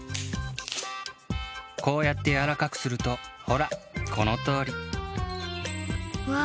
こうやってやわらかくするとほらこのとおり。わ